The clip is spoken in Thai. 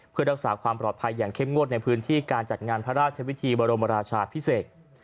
เพื่อรักษาความปลอดภัยอย่างเข้มงวดในพื้นที่การจัดงานพระราชวิธีบรมราชาพิเศษ